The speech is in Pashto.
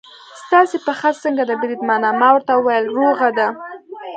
ستاسې پښه څنګه ده بریدمنه؟ ما ورته وویل: روغه ده.